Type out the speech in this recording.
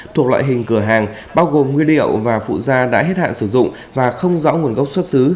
thuộc loại hình cửa hàng bao gồm nguyên liệu và phụ da đã hết hạn sử dụng và không rõ nguồn gốc xuất xứ